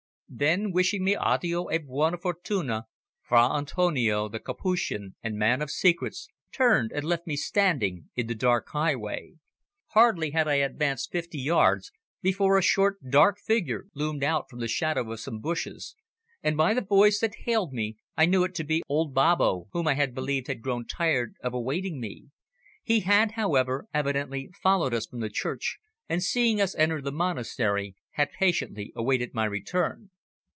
Then wishing me "Addio, e buona fortuna," Fra Antonio, the Capuchin and man of secrets, turned and left me standing in the dark highway. Hardly had I advanced fifty yards before a short dark figure loomed out from the shadow of some bushes, and by the voice that hailed me I knew it to be old Babbo, whom I had believed had grown tired of awaiting me. He had, however, evidently followed us from the church, and seeing us enter the monastery had patiently awaited my return.